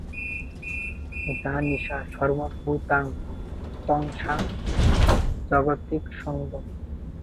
যা নিশা সর্বভূতানাং তস্যাং জাগর্তি সংযমী।